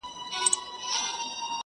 • شاعر او شاعره ـ